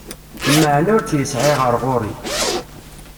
Lmeεna ur tt-yesεi ɣer ɣur-i.